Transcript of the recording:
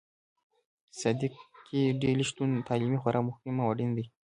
صادقې ډلې شتون تعلیمي خورا مهم او اړين دي.